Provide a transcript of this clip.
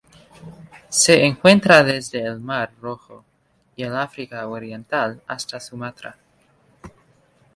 Se encuentra desde el Mar Rojo y el África Oriental hasta Sumatra.